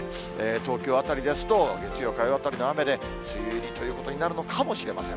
東京辺りですと、月曜、火曜あたりの雨で梅雨入りということになるのかもしれません。